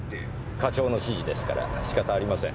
課長の指示ですから仕方ありません。